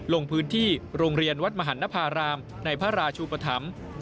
ลงพื้นที่โรงเรียนวัดมหันนภารามในพระราชูปธรรม